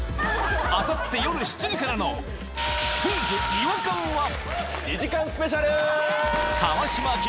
明後日夜７時からの「クイズ！違和感」は２時間スペシャルー！